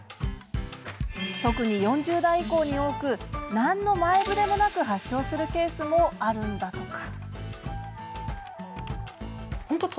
特に４０代以降に多く何の前触れもなく発症するケースもあるんだとか。